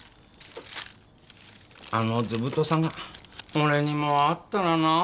あの図太さが俺にもあったらなあ。